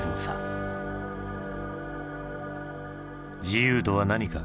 自由とは何か。